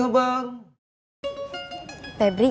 saya sudah happened enak